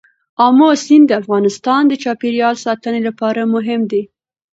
آمو سیند د افغانستان د چاپیریال ساتنې لپاره مهم دی.